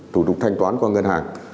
thủ tục thanh toán qua ngân hàng